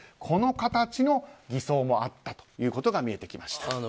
この形の偽装もあったということが見えてきました。